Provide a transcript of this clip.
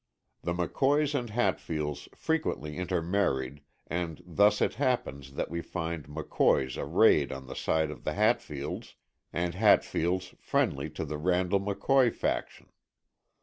The McCoys and Hatfields frequently intermarried and thus it happens that we find McCoys arrayed on the side of the Hatfields and Hatfields friendly to the Randall McCoy faction.